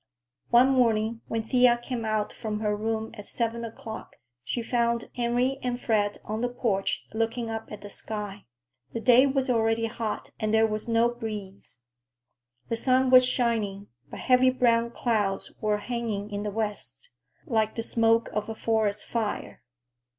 One morning when Thea came out from her room at seven o'clock, she found Henry and Fred on the porch, looking up at the sky. The day was already hot and there was no breeze. The sun was shining, but heavy brown clouds were hanging in the west, like the smoke of a forest fire.